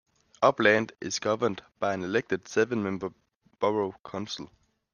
Upland is governed by an elected seven-member borough council.